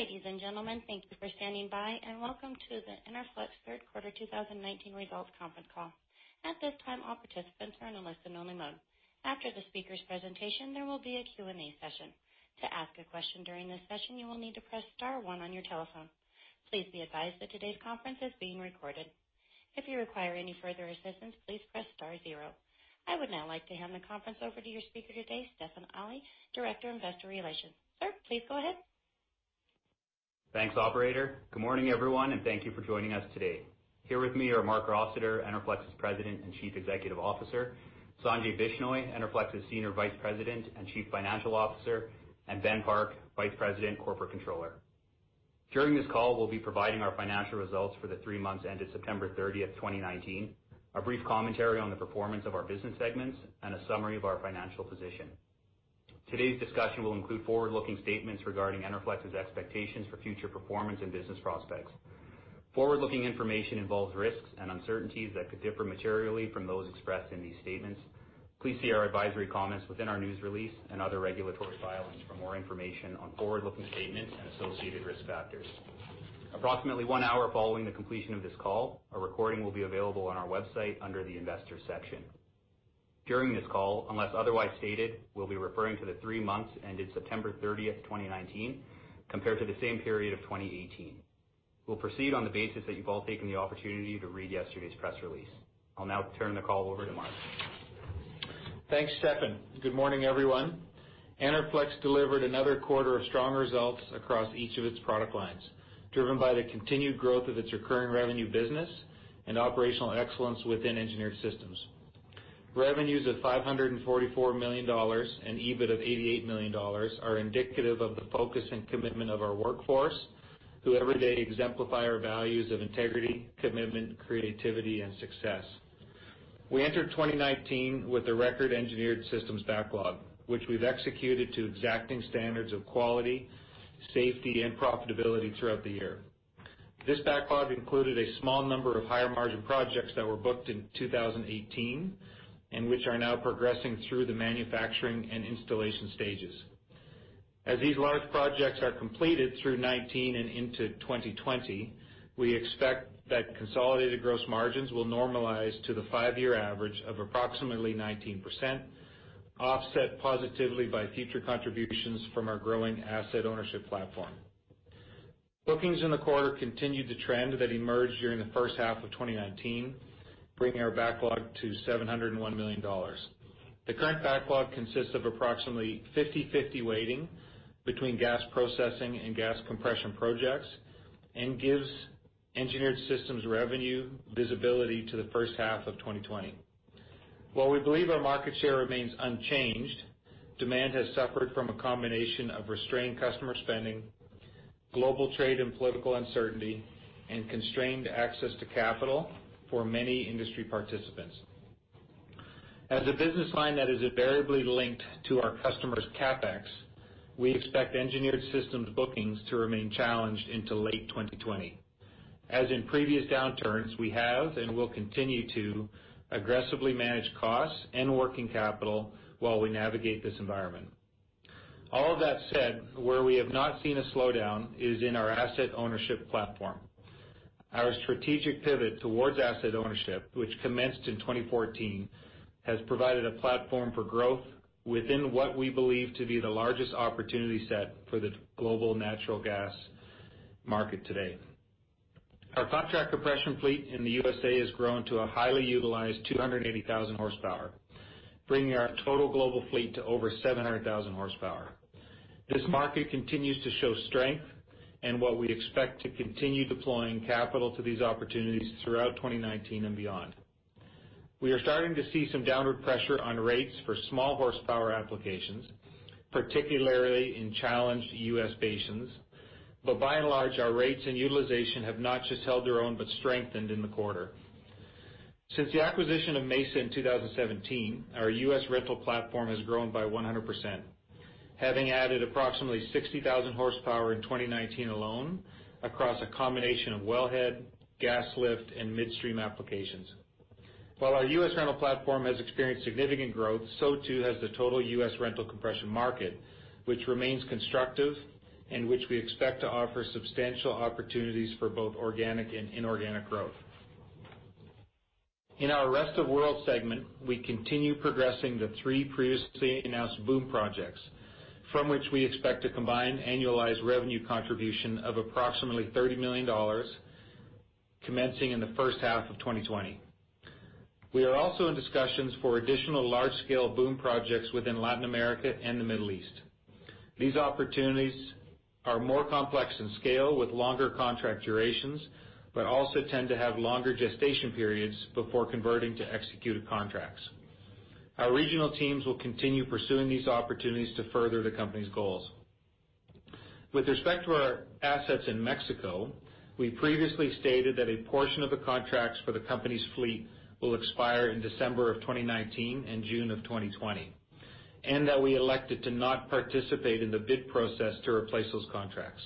Ladies and gentlemen, thank you for standing by, welcome to the Enerflex third quarter 2019 results conference call. At this time, all participants are in a listen-only mode. After the speaker's presentation, there will be a Q&A session. To ask a question during this session, you will need to press star 1 on your telephone. Please be advised that today's conference is being recorded. If you require any further assistance, please press star 0. I would now like to hand the conference over to your speaker today, Stefan Ali, Director of Investor Relations. Sir, please go ahead. Thanks, operator. Good morning, everyone, and thank you for joining us today. Here with me are Marc Rossiter, Enerflex's President and Chief Executive Officer, Sanjay Bishnoi, Enerflex's Senior Vice President and Chief Financial Officer, and Ben Park, Vice President, Corporate Controller. During this call, we'll be providing our financial results for the three months ended September 30th, 2019, a brief commentary on the performance of our business segments, and a summary of our financial position. Today's discussion will include forward-looking statements regarding Enerflex's expectations for future performance and business prospects. Forward-looking information involves risks and uncertainties that could differ materially from those expressed in these statements. Please see our advisory comments within our news release and other regulatory filings for more information on forward-looking statements and associated risk factors. Approximately one hour following the completion of this call, a recording will be available on our website under the Investors section. During this call, unless otherwise stated, we'll be referring to the three months ended September 30th, 2019, compared to the same period of 2018. We'll proceed on the basis that you've all taken the opportunity to read yesterday's press release. I'll now turn the call over to Marc. Thanks, Stefan. Good morning, everyone. Enerflex delivered another quarter of strong results across each of its product lines, driven by the continued growth of its recurring revenue business and operational excellence within Engineered Systems. Revenues of 544 million dollars and EBIT of 88 million dollars are indicative of the focus and commitment of our workforce, who every day exemplify our values of integrity, commitment, creativity, and success. We entered 2019 with a record Engineered Systems backlog, which we've executed to exacting standards of quality, safety, and profitability throughout the year. This backlog included a small number of higher-margin projects that were booked in 2018 and which are now progressing through the manufacturing and installation stages. As these large projects are completed through 2019 and into 2020, we expect that consolidated gross margins will normalize to the five-year average of approximately 19%, offset positively by future contributions from our growing asset ownership platform. Bookings in the quarter continued the trend that emerged during the first half of 2019, bringing our backlog to 701 million dollars. The current backlog consists of approximately 50/50 weighting between gas processing and gas compression projects and gives Engineered Systems revenue visibility to the first half of 2020. While we believe our market share remains unchanged, demand has suffered from a combination of restrained customer spending, global trade and political uncertainty, and constrained access to capital for many industry participants. As a business line that is invariably linked to our customers' CapEx, we expect Engineered Systems bookings to remain challenged into late 2020. As in previous downturns, we have and will continue to aggressively manage costs and working capital while we navigate this environment. All of that said, where we have not seen a slowdown is in our asset ownership platform. Our strategic pivot towards asset ownership, which commenced in 2014, has provided a platform for growth within what we believe to be the largest opportunity set for the global natural gas market today. Our contract compression fleet in the U.S.A. has grown to a highly utilized 280,000 horsepower, bringing our total global fleet to over 700,000 horsepower. This market continues to show strength and what we expect to continue deploying capital to these opportunities throughout 2019 and beyond. By and large, our rates and utilization have not just held their own, but strengthened in the quarter. Since the acquisition of Mesa in 2017, our U.S. rental platform has grown by 100%, having added approximately 60,000 horsepower in 2019 alone across a combination of wellhead, gas lift, and midstream applications. While our U.S. rental platform has experienced significant growth, so too has the total U.S. rental compression market, which remains constructive and which we expect to offer substantial opportunities for both organic and inorganic growth. In our rest-of-world segment, we continue progressing the three previously announced BOOM projects from which we expect a combined annualized revenue contribution of approximately 30 million dollars commencing in the first half of 2020. We are also in discussions for additional large-scale BOOM projects within Latin America and the Middle East. These opportunities are more complex in scale with longer contract durations but also tend to have longer gestation periods before converting to executed contracts. Our regional teams will continue pursuing these opportunities to further the company's goals. With respect to our assets in Mexico, we previously stated that a portion of the contracts for the company's fleet will expire in December 2019 and June 2020, and that we elected to not participate in the bid process to replace those contracts.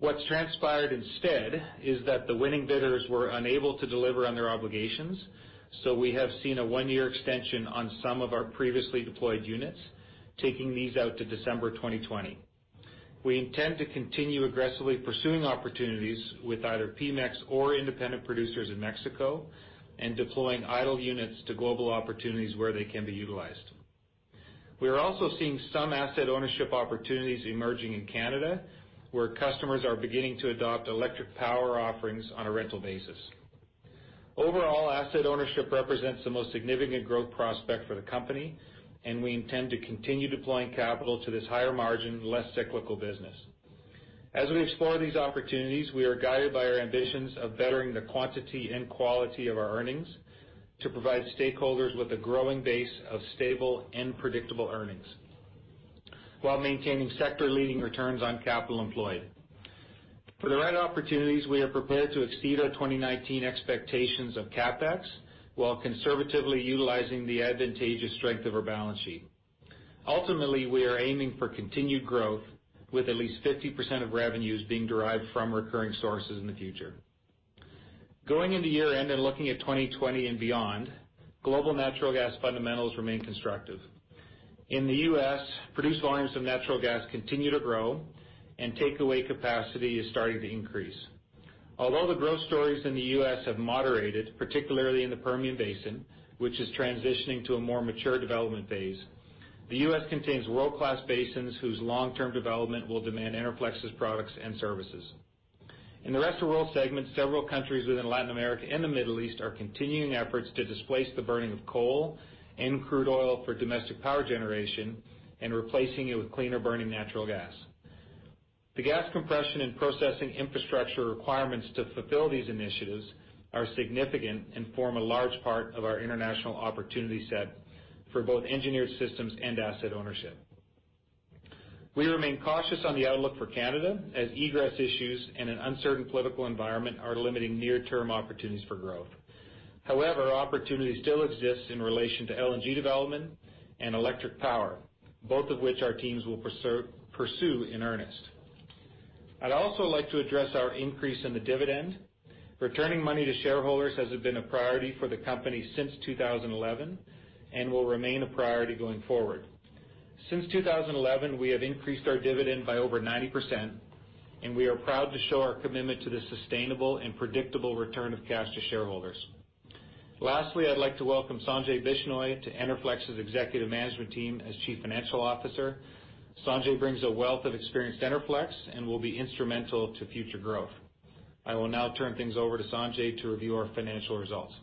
What has transpired instead is that the winning bidders were unable to deliver on their obligations, so we have seen a one-year extension on some of our previously deployed units, taking these out to December 2020. We intend to continue aggressively pursuing opportunities with either Pemex or independent producers in Mexico and deploying idle units to global opportunities where they can be utilized. We are also seeing some asset ownership opportunities emerging in Canada, where customers are beginning to adopt electric power offerings on a rental basis. Overall, asset ownership represents the most significant growth prospect for the company. We intend to continue deploying capital to this higher margin, less cyclical business. As we explore these opportunities, we are guided by our ambitions of bettering the quantity and quality of our earnings to provide stakeholders with a growing base of stable and predictable earnings while maintaining sector-leading returns on capital employed. For the right opportunities, we are prepared to exceed our 2019 expectations of CapEx while conservatively utilizing the advantageous strength of our balance sheet. Ultimately, we are aiming for continued growth with at least 50% of revenues being derived from recurring sources in the future. Going into year-end, looking at 2020 and beyond, global natural gas fundamentals remain constructive. In the U.S., produced volumes of natural gas continue to grow. Takeaway capacity is starting to increase. Although the growth stories in the U.S. have moderated, particularly in the Permian Basin, which is transitioning to a more mature development phase, the U.S. contains world-class basins whose long-term development will demand Enerflex's products and services. In the rest of the world segment, several countries within Latin America and the Middle East are continuing efforts to displace the burning of coal and crude oil for domestic power generation and replacing it with cleaner-burning natural gas. The gas compression and processing infrastructure requirements to fulfill these initiatives are significant and form a large part of our international opportunity set for both Engineered Systems and asset ownership. We remain cautious on the outlook for Canada as egress issues and an uncertain political environment are limiting near-term opportunities for growth. Opportunity still exists in relation to LNG development and electric power, both of which our teams will pursue in earnest. I'd also like to address our increase in the dividend. Returning money to shareholders has been a priority for the company since 2011 and will remain a priority going forward. Since 2011, we have increased our dividend by over 90%, and we are proud to show our commitment to the sustainable and predictable return of cash to shareholders. Lastly, I'd like to welcome Sanjay Bishnoi to Enerflex's executive management team as Chief Financial Officer. Sanjay brings a wealth of experience to Enerflex and will be instrumental to future growth. I will now turn things over to Sanjay to review our financial results.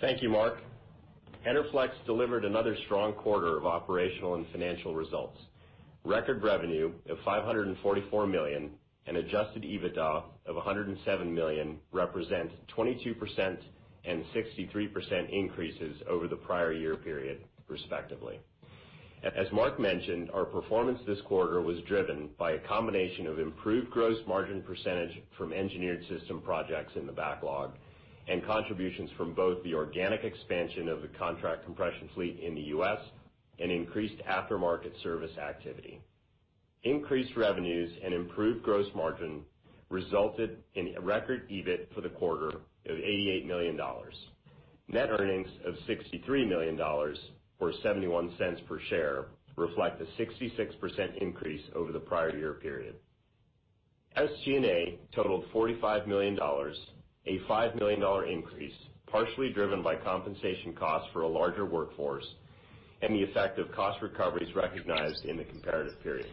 Thank you, Marc. Enerflex delivered another strong quarter of operational and financial results. Record revenue of 544 million and adjusted EBITDA of 107 million represent 22% and 63% increases over the prior year period, respectively. As Marc mentioned, our performance this quarter was driven by a combination of improved gross margin percentage from Engineered Systems projects in the backlog and contributions from both the organic expansion of the contract compression fleet in the U.S. and increased aftermarket service activity. Increased revenues and improved gross margin resulted in a record EBIT for the quarter of 88 million dollars. Net earnings of 63 million dollars, or 0.71 per share, reflect a 66% increase over the prior year period. SG&A totaled 45 million dollars, a 5 million dollar increase, partially driven by compensation costs for a larger workforce and the effect of cost recoveries recognized in the comparative period.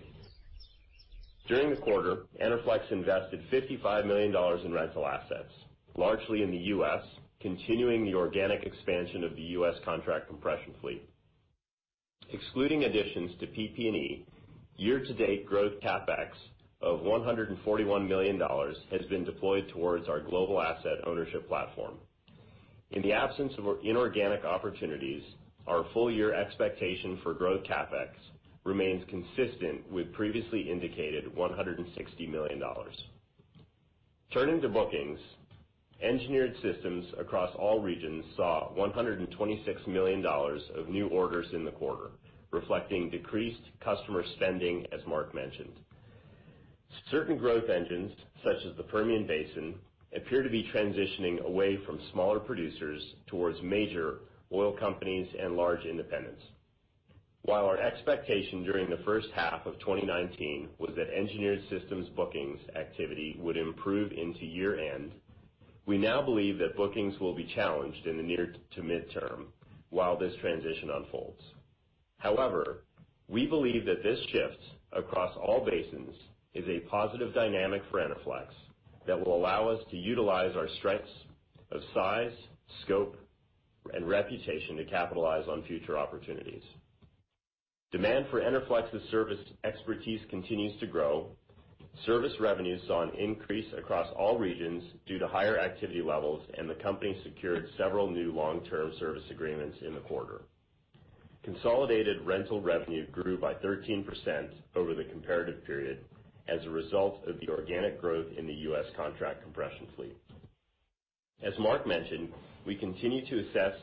During the quarter, Enerflex invested 55 million dollars in rental assets, largely in the U.S., continuing the organic expansion of the U.S. contract compression fleet. Excluding additions to PP&E, year-to-date growth CapEx of 141 million dollars has been deployed towards our global asset ownership platform. In the absence of inorganic opportunities, our full-year expectation for growth CapEx remains consistent with previously indicated 160 million dollars. Turning to bookings, Engineered Systems across all regions saw 126 million dollars of new orders in the quarter, reflecting decreased customer spending, as Marc mentioned. Certain growth engines, such as the Permian Basin, appear to be transitioning away from smaller producers towards major oil companies and large independents. While our expectation during the first half of 2019 was that Engineered Systems bookings activity would improve into year-end, we now believe that bookings will be challenged in the near to midterm while this transition unfolds. However, we believe that this shift across all basins is a positive dynamic for Enerflex that will allow us to utilize our strengths of size, scope, and reputation to capitalize on future opportunities. Demand for Enerflex's service expertise continues to grow. Service revenues saw an increase across all regions due to higher activity levels, and the company secured several new long-term service agreements in the quarter. Consolidated rental revenue grew by 13% over the comparative period as a result of the organic growth in the U.S. contract compression fleet. As Marc mentioned, we continue to assess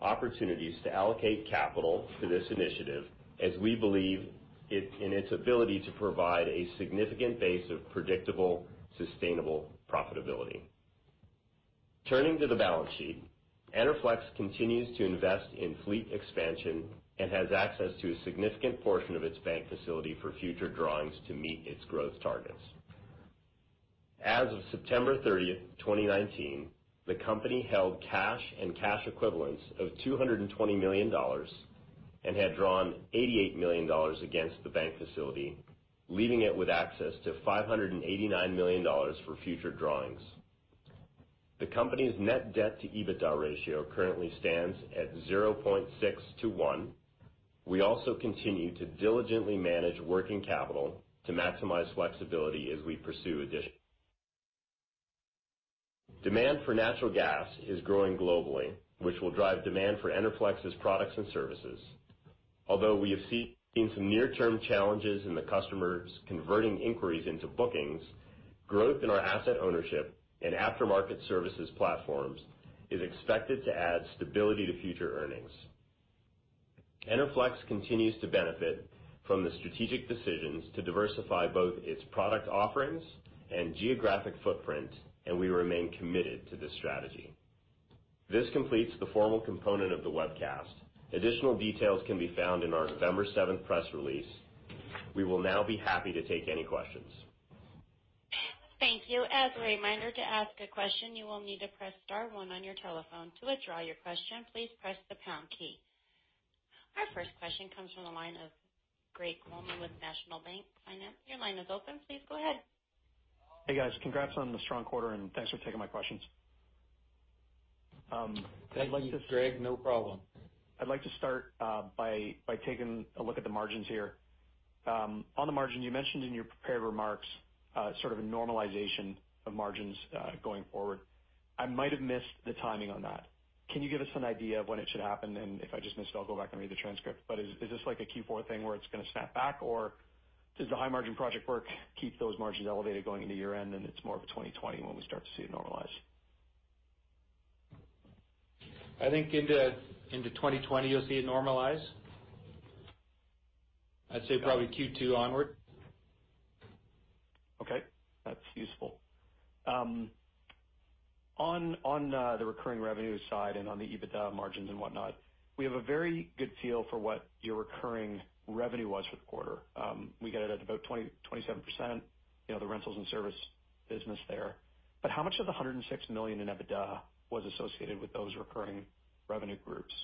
opportunities to allocate capital to this initiative as we believe in its ability to provide a significant base of predictable, sustainable profitability. Turning to the balance sheet, Enerflex continues to invest in fleet expansion and has access to a significant portion of its bank facility for future drawings to meet its growth targets. As of September 30th, 2019, the company held cash and cash equivalents of 220 million dollars and had drawn 88 million dollars against the bank facility, leaving it with access to 589 million dollars for future drawings. The company's net debt to EBITDA ratio currently stands at 0.6 to one. We also continue to diligently manage working capital to maximize flexibility as we pursue addition. Demand for natural gas is growing globally, which will drive demand for Enerflex's products and services. Although we have seen some near-term challenges in the customers converting inquiries into bookings, growth in our asset ownership and aftermarket services platforms is expected to add stability to future earnings. Enerflex continues to benefit from the strategic decisions to diversify both its product offerings and geographic footprint, and we remain committed to this strategy. This completes the formal component of the webcast. Additional details can be found in our November 7th press release. We will now be happy to take any questions. Thank you. As a reminder, to ask a question, you will need to press star one on your telephone. To withdraw your question, please press the pound key. Our first question comes from the line of Greg Colman with National Bank Financial. Your line is open. Please go ahead. Hey, guys. Congrats on the strong quarter, and thanks for taking my questions. Thank you, Greg. No problem. I'd like to start by taking a look at the margins here. On the margin, you mentioned in your prepared remarks sort of a normalization of margins going forward. I might have missed the timing on that. Can you give us an idea of when it should happen? If I just missed it, I'll go back and read the transcript. Is this like a Q4 thing where it's going to snap back? Does the high margin project work keep those margins elevated going into year-end, and it's more of a 2020 when we start to see it normalize? I think into 2020, you'll see it normalize. I'd say probably Q2 onward. Okay. That's useful. On the recurring revenue side and on the EBITDA margins and whatnot, we have a very good feel for what your recurring revenue was for the quarter. We got it at about 27%, the rentals and service business there. How much of the 106 million in EBITDA was associated with those recurring revenue groups?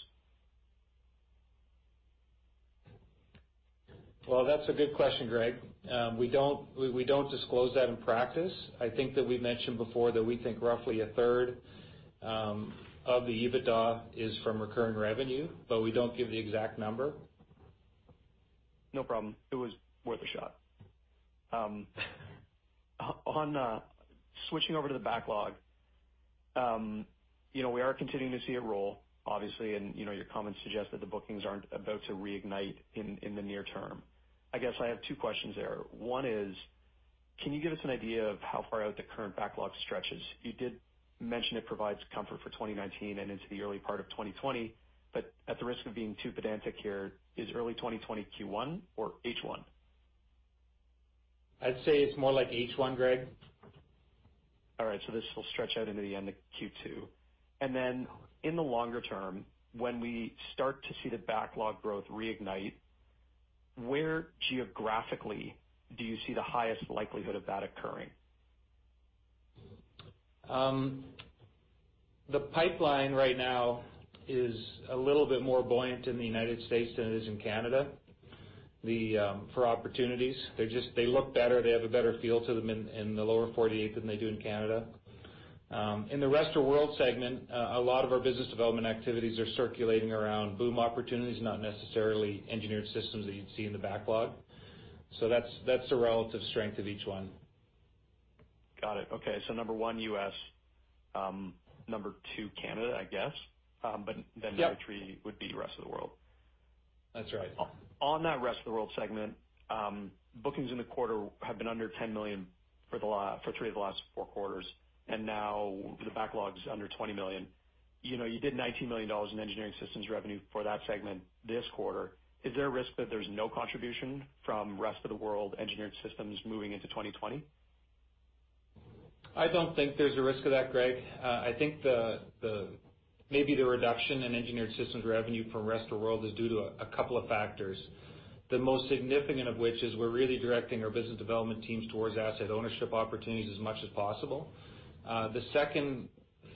Well, that's a good question, Greg. We don't disclose that in practice. I think that we've mentioned before that we think roughly a third of the EBITDA is from recurring revenue, but we don't give the exact number. No problem. It was worth a shot. Switching over to the backlog. We are continuing to see it roll, obviously, and your comments suggest that the bookings aren't about to reignite in the near term. I guess I have two questions there. One is, can you give us an idea of how far out the current backlog stretches? You did mention it provides comfort for 2019 and into the early part of 2020, but at the risk of being too pedantic here, is early 2020 Q1 or H1? I'd say it's more like H1, Greg. All right, this will stretch out into the end of Q2. Then in the longer term, when we start to see the backlog growth reignite, where geographically do you see the highest likelihood of that occurring? The pipeline right now is a little bit more buoyant in the U.S. than it is in Canada for opportunities. They look better, they have a better feel to them in the lower 48 than they do in Canada. In the rest of world segment, a lot of our business development activities are circulating around BOOM opportunities, not necessarily Engineered Systems that you'd see in the backlog. That's the relative strength of each one. Got it. Okay. Number 1, U.S. number 2, Canada, I guess. Yep number three would be the rest of the world. That's right. On that rest of the world segment, bookings in the quarter have been under 10 million for three of the last four quarters, and now the backlog's under 20 million. You did 19 million dollars in Engineered Systems revenue for that segment this quarter. Is there a risk that there's no contribution from rest of the world Engineered Systems moving into 2020? I don't think there's a risk of that, Greg. I think maybe the reduction in Engineered Systems revenue from rest of world is due to a couple of factors. The most significant of which is we're really directing our business development teams towards asset ownership opportunities as much as possible. The second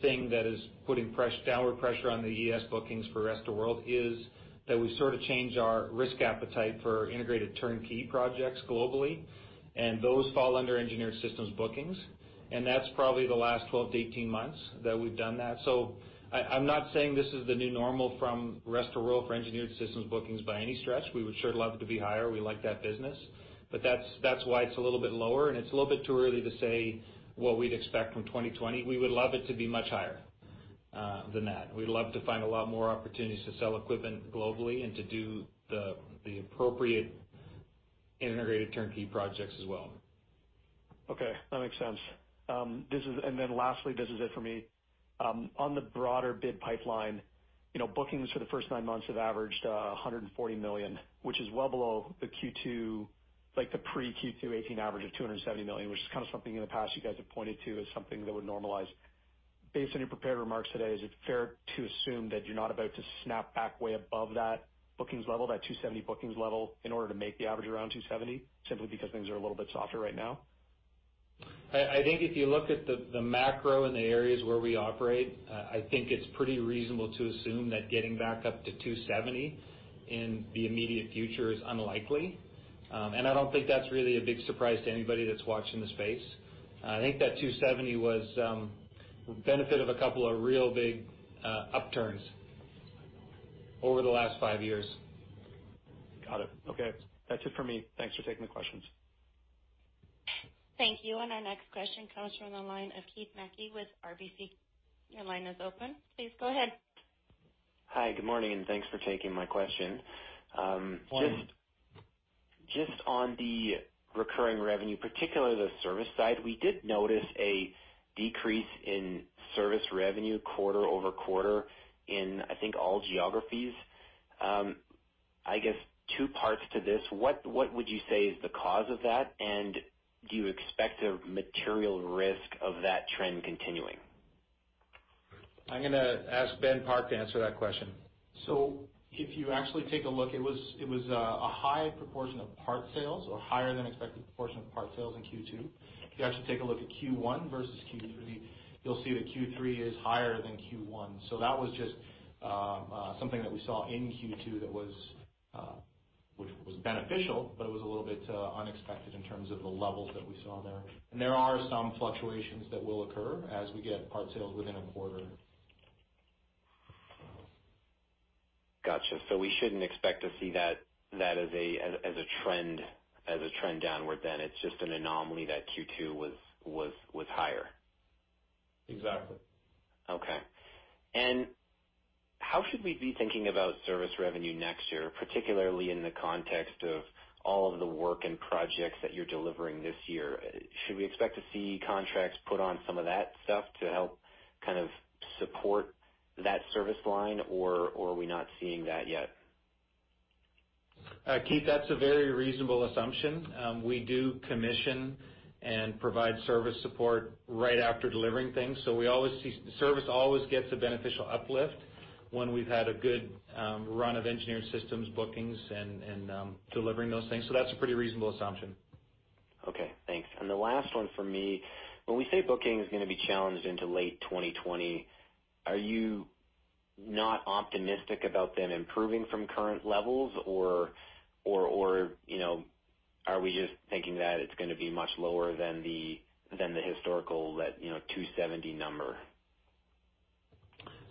thing that is putting downward pressure on the ES bookings for rest of world is that we sort of change our risk appetite for integrated turnkey projects globally, and those fall under Engineered Systems bookings, and that's probably the last 12 to 18 months that we've done that. I'm not saying this is the new normal from rest of world for Engineered Systems bookings by any stretch. We would sure love it to be higher. We like that business. That's why it's a little bit lower, and it's a little bit too early to say what we'd expect from 2020. We would love it to be much higher than that. We'd love to find a lot more opportunities to sell equipment globally and to do the appropriate In integrated turnkey projects as well. Okay, that makes sense. Then lastly, this is it for me. On the broader bid pipeline, bookings for the first nine months have averaged 140 million, which is well below the pre-Q2 2018 average of 270 million, which is something in the past you guys have pointed to as something that would normalize. Based on your prepared remarks today, is it fair to assume that you're not about to snap back way above that bookings level, that 270 bookings level, in order to make the average around 270, simply because things are a little bit softer right now? I think if you look at the macro in the areas where we operate, I think it's pretty reasonable to assume that getting back up to 270 in the immediate future is unlikely. I don't think that's really a big surprise to anybody that's watched in the space. I think that 270 was benefit of a couple of real big upturns over the last five years. Got it. Okay. That's it for me. Thanks for taking the questions. Thank you. Our next question comes from the line of Keith Mackey with RBC. Your line is open. Please go ahead. Hi, good morning. Thanks for taking my question. Morning. Just on the recurring revenue, particularly the service side, we did notice a decrease in service revenue quarter-over-quarter in, I think, all geographies. I guess two parts to this, what would you say is the cause of that, and do you expect a material risk of that trend continuing? I'm gonna ask Ben Park to answer that question. If you actually take a look, it was a high proportion of part sales or higher than expected proportion of part sales in Q2. If you actually take a look at Q1 versus Q3, you'll see that Q3 is higher than Q1. That was just something that we saw in Q2, which was beneficial, but it was a little bit unexpected in terms of the levels that we saw there. There are some fluctuations that will occur as we get part sales within a quarter. Got you. We shouldn't expect to see that as a trend downward then. It's just an anomaly that Q2 was higher. Exactly. Okay. How should we be thinking about service revenue next year, particularly in the context of all of the work and projects that you're delivering this year? Should we expect to see contracts put on some of that stuff to help kind of support that service line, or are we not seeing that yet? Keith, that's a very reasonable assumption. We do commission and provide service support right after delivering things, so service always gets a beneficial uplift when we've had a good run of Engineered Systems bookings and delivering those things. That's a pretty reasonable assumption. Okay, thanks. The last one for me, when we say booking is gonna be challenged into late 2020, are you not optimistic about them improving from current levels, or are we just thinking that it's gonna be much lower than the historical 270 number?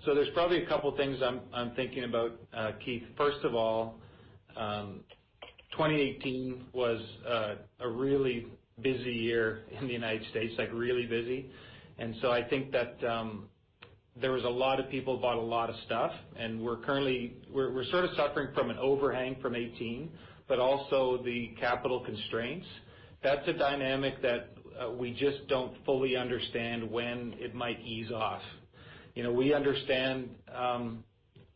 There's probably a couple things I'm thinking about, Keith. First of all, 2018 was a really busy year in the U.S., like really busy. I think that there was a lot of people bought a lot of stuff, and we're sort of suffering from an overhang from '18, but also the capital constraints. That's a dynamic that we just don't fully understand when it might ease off. We understand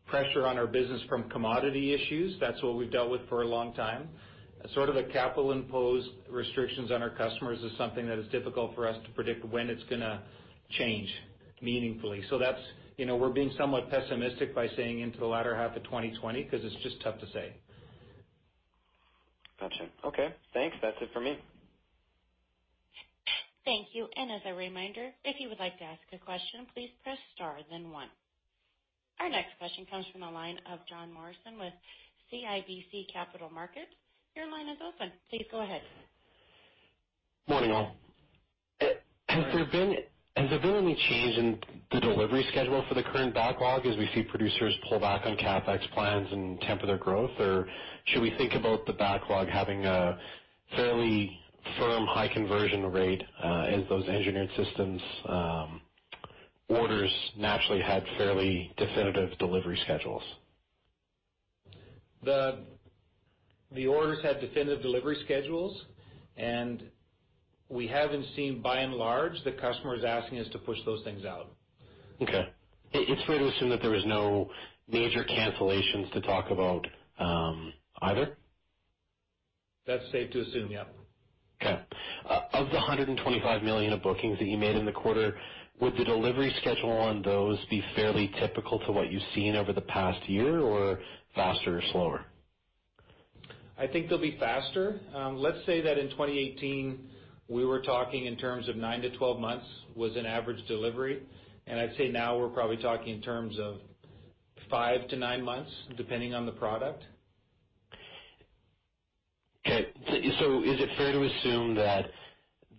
pressure on our business from commodity issues. That's what we've dealt with for a long time. Sort of the capital-imposed restrictions on our customers is something that is difficult for us to predict when it's gonna change meaningfully. We're being somewhat pessimistic by saying into the latter half of 2020, because it's just tough to say. Got you. Okay. Thanks. That's it for me. Thank you. As a reminder, if you would like to ask a question, please press star then one. Our next question comes from the line of Jon Morrison with CIBC Capital Markets. Your line is open. Please go ahead. Morning, all. Morning. Has there been any change in the delivery schedule for the current backlog as we see producers pull back on CapEx plans and temper their growth? Or should we think about the backlog having a fairly firm, high conversion rate, as those Engineered Systems orders naturally had fairly definitive delivery schedules? The orders had definitive delivery schedules, and we haven't seen, by and large, the customers asking us to push those things out. Okay. It's fair to assume that there is no major cancellations to talk about either? That's safe to assume, yeah. Okay. Of the 125 million of bookings that you made in the quarter, would the delivery schedule on those be fairly typical to what you've seen over the past year, or faster or slower? I think they'll be faster. Let's say that in 2018, we were talking in terms of nine to 12 months was an average delivery. I'd say now we're probably talking in terms of five to nine months, depending on the product. Okay. Is it fair to assume that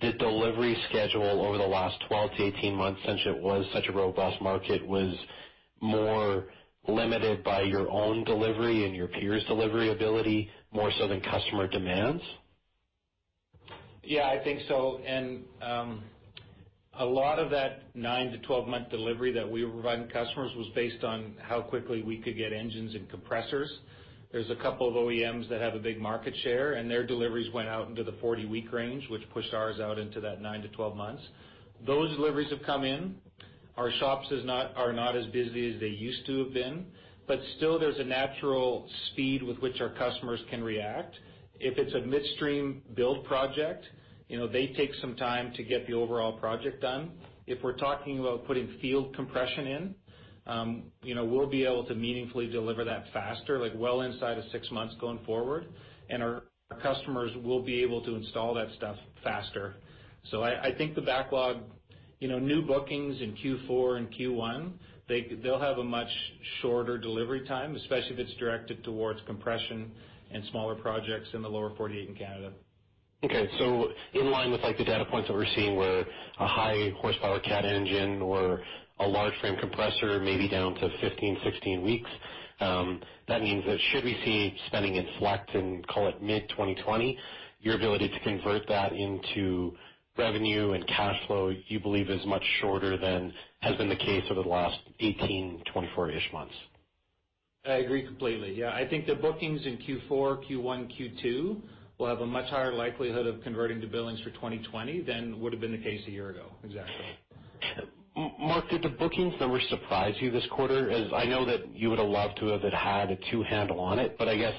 the delivery schedule over the last 12 to 18 months, since it was such a robust market, was more limited by your own delivery and your peers' delivery ability, more so than customer demands? Yeah, I think so. A lot of that nine to 12-month delivery that we were providing customers was based on how quickly we could get engines and compressors. There's a couple of OEMs that have a big market share, their deliveries went out into the 40-week range, which pushed ours out into that nine to 12 months. Those deliveries have come in. Our shops are not as busy as they used to have been, still there's a natural speed with which our customers can react. If it's a midstream build project, they take some time to get the overall project done. If we're talking about putting field compression in, we'll be able to meaningfully deliver that faster, like well inside of six months going forward, our customers will be able to install that stuff faster. I think the backlog, new bookings in Q4 and Q1, they'll have a much shorter delivery time, especially if it's directed towards compression and smaller projects in the lower 48 in Canada. In line with the data points that we're seeing where a high horsepower Cat engine or a large frame compressor may be down to 15-16 weeks. That means that should we see spending inflect in, call it mid-2020, your ability to convert that into revenue and cash flow, you believe is much shorter than has been the case over the last 18-24 months. I agree completely. Yeah, I think the bookings in Q4, Q1, Q2 will have a much higher likelihood of converting to billings for 2020 than would've been the case a year ago. Exactly. Marc, did the bookings number surprise you this quarter? I know that you would've loved to have had a two handle on it, but I guess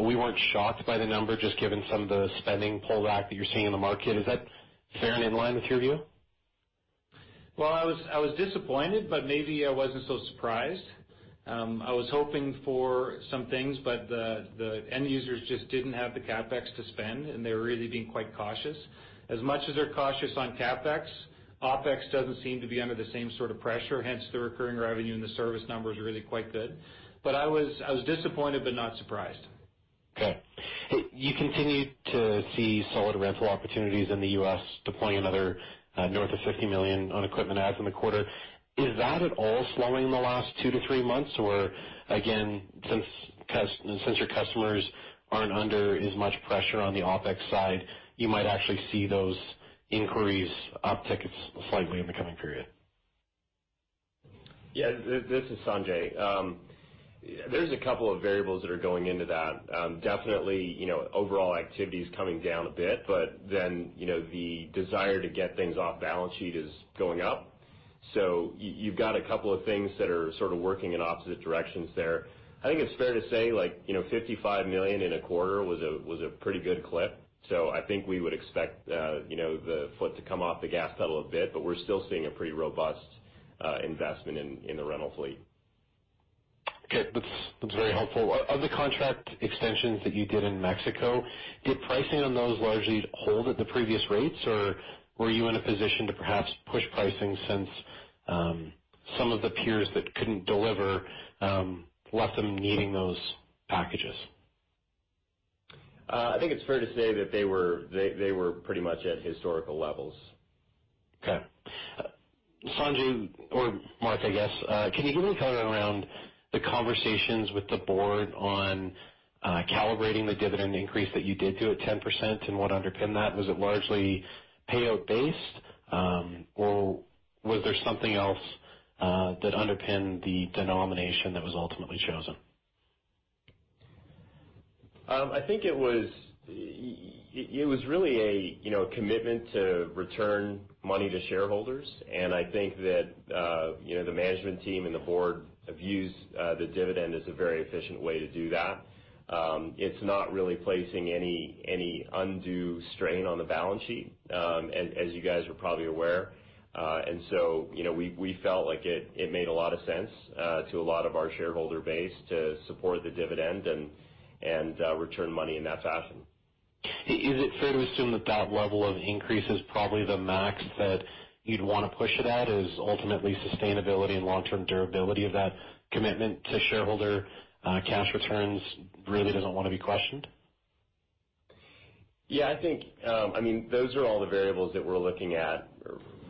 we weren't shocked by the number, just given some of the spending pull back that you're seeing in the market. Is that fair and in line with your view? Well, I was disappointed, maybe I wasn't so surprised. I was hoping for some things, the end users just didn't have the CapEx to spend, they're really being quite cautious. As much as they're cautious on CapEx, OpEx doesn't seem to be under the same sort of pressure, hence the recurring revenue and the service numbers are really quite good. I was disappointed, not surprised. Okay. You continue to see solid rental opportunities in the U.S., deploying another north of 50 million on equipment adds in the quarter. Is that at all slowing in the last two to three months? Again, since your customers aren't under as much pressure on the OpEx side, you might actually see those inquiries upticked slightly in the coming period? Yeah. This is Sanjay. There's a couple of variables that are going into that. Overall activity is coming down a bit, the desire to get things off balance sheet is going up. You've got a couple of things that are sort of working in opposite directions there. I think it's fair to say, 55 million in a quarter was a pretty good clip. I think we would expect the foot to come off the gas pedal a bit, we're still seeing a pretty robust investment in the rental fleet. Okay. That's very helpful. Of the contract extensions that you did in Mexico, did pricing on those largely hold at the previous rates, or were you in a position to perhaps push pricing since some of the peers that couldn't deliver left them needing those packages? I think it's fair to say that they were pretty much at historical levels. Okay. Sanjay, or Marc, I guess, can you give me color around the conversations with the board on calibrating the dividend increase that you did do at 10% and what underpinned that? Was it largely payout based, or was there something else that underpinned the denomination that was ultimately chosen? I think it was really a commitment to return money to shareholders, and I think that the management team and the board have used the dividend as a very efficient way to do that. It's not really placing any undue strain on the balance sheet, as you guys are probably aware. We felt like it made a lot of sense to a lot of our shareholder base to support the dividend and return money in that fashion. Is it fair to assume that level of increase is probably the max that you'd want to push it at, as ultimately sustainability and long-term durability of that commitment to shareholder cash returns really doesn't want to be questioned? Yeah, I think those are all the variables that we're looking at,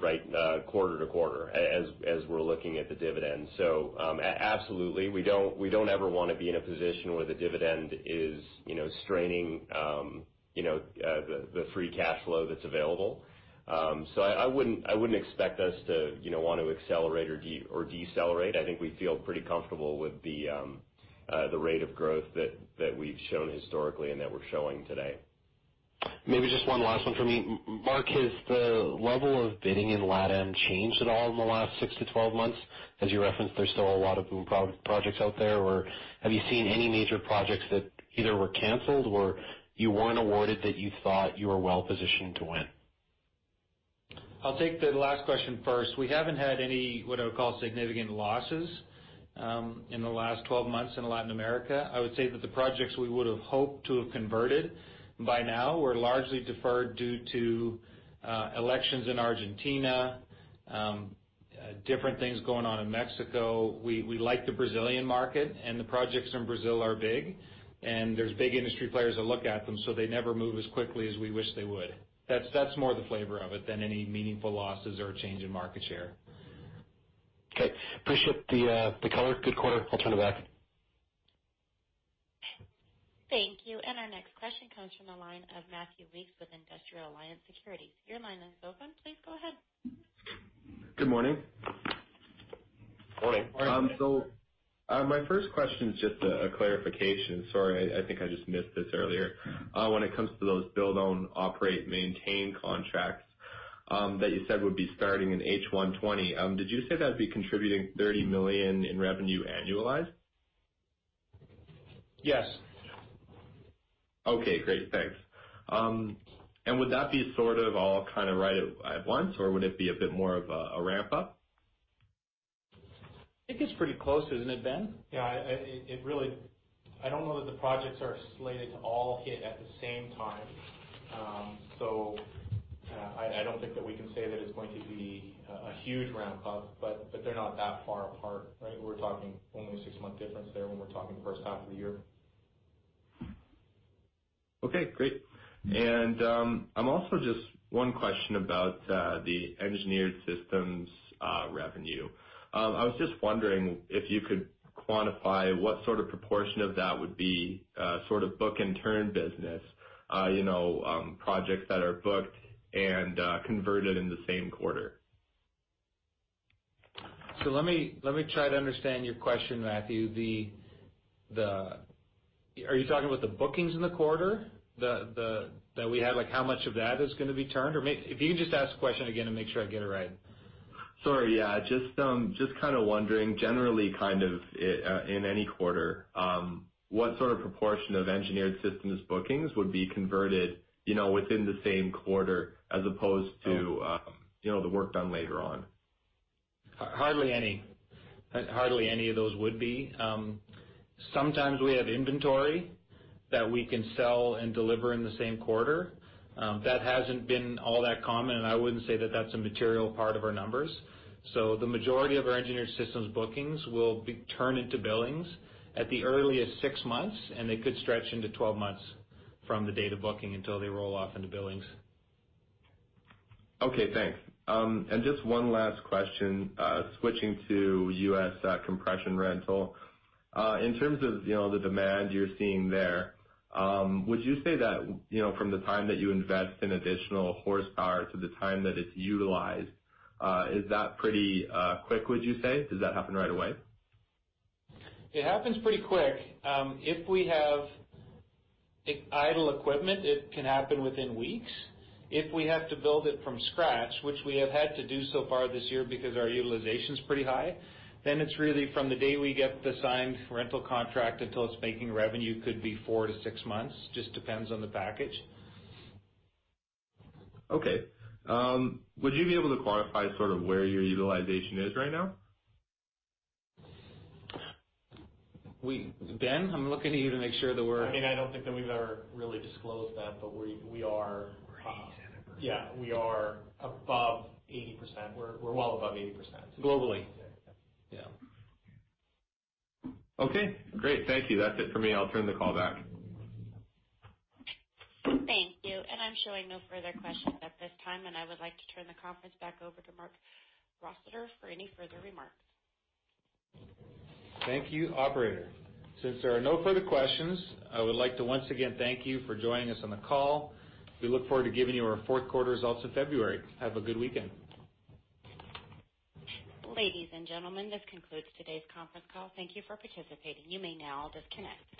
right, quarter to quarter as we're looking at the dividend. Absolutely. We don't ever want to be in a position where the dividend is straining the free cash flow that's available. I wouldn't expect us to want to accelerate or decelerate. I think we feel pretty comfortable with the rate of growth that we've shown historically and that we're showing today. Maybe just one last one for me. Marc, has the level of bidding in LATAM changed at all in the last six to 12 months? As you referenced, there's still a lot of BOOM projects out there, or have you seen any major projects that either were canceled or you weren't awarded that you thought you were well-positioned to win? I'll take the last question first. We haven't had any, what I would call significant losses in the last 12 months in Latin America. I would say that the projects we would've hoped to have converted by now were largely deferred due to elections in Argentina, different things going on in Mexico. We like the Brazilian market, and the projects in Brazil are big. There's big industry players that look at them, so they never move as quickly as we wish they would. That's more the flavor of it than any meaningful losses or a change in market share. Okay. Appreciate the color. Good quarter. I'll turn it back. Thank you. Our next question comes from the line of Matthew Weeks with Industrial Alliance Securities. Your line is open. Please go ahead. Good morning. Morning. My first question is just a clarification. Sorry, I think I just missed this earlier. When it comes to those Build-Own-Operate-Maintain contracts that you said would be starting in H1 2020, did you say that would be contributing 30 million in revenue annualized? Yes. Okay, great. Thanks. Would that be sort of all kind of right at once or would it be a bit more of a ramp up? I think it's pretty close, isn't it, Ben? Yeah. I don't know that the projects are slated to all hit at the same time. I don't think that we can say that it's going to be a huge ramp up, but they're not that far apart, right? We're talking only a six-month difference there when we're talking the first half of the year. Okay, great. I'm also just one question about the Engineered Systems revenue. I was just wondering if you could quantify what sort of proportion of that would be sort of book and turn business, projects that are booked and converted in the same quarter? Let me try to understand your question, Matthew. Are you talking about the bookings in the quarter? That we had, like how much of that is going to be turned? If you could just ask the question again and make sure I get it right. Sorry. Yeah, just kind of wondering, generally kind of in any quarter, what sort of proportion of Engineered Systems bookings would be converted within the same quarter as opposed to the work done later on? Hardly any of those would be. Sometimes we have inventory that we can sell and deliver in the same quarter. That hasn't been all that common, and I wouldn't say that that's a material part of our numbers. The majority of our Engineered Systems bookings will be turned into billings at the earliest 6 months, and they could stretch into 12 months from the date of booking until they roll off into billings. Okay, thanks. Just one last question, switching to U.S. compression rental. In terms of the demand you're seeing there, would you say that from the time that you invest in additional horsepower to the time that it's utilized, is that pretty quick, would you say? Does that happen right away? It happens pretty quick. If we have idle equipment, it can happen within weeks. If we have to build it from scratch, which we have had to do so far this year because our utilization's pretty high, it's really from the day we get the signed rental contract until it's making revenue could be four to six months, just depends on the package. Okay. Would you be able to quantify sort of where your utilization is right now? Ben, I'm looking at you to make sure that. I don't think that we've ever really disclosed that. We're 80% or greater. Yeah, we are above 80%. We're well above 80%. Globally. Yeah. Yeah. Okay, great. Thank you. That's it for me. I'll turn the call back. Thank you. I'm showing no further questions at this time. I would like to turn the conference back over to Marc Rossiter for any further remarks. Thank you, operator. Since there are no further questions, I would like to once again thank you for joining us on the call. We look forward to giving you our fourth quarter results in February. Have a good weekend. Ladies and gentlemen, this concludes today's conference call. Thank you for participating. You may now disconnect.